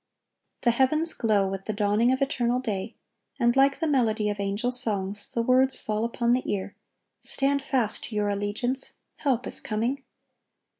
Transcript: The heavens glow with the dawning of eternal day, and like the melody of angel songs, the words fall upon the ear, "Stand fast to your allegiance. Help is coming."